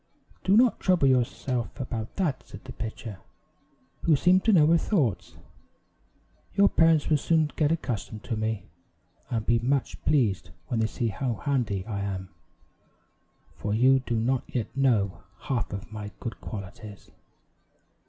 "Do not trouble yourself about that," said the pitcher, who seemed to know her thoughts; "your parents will soon get accustomed to me, and be much pleased when they see how handy I am, for you do not yet know half of my good qualities."